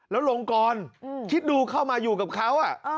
แล้วลงกรคิดดูเข้ามาอยู่กับเขา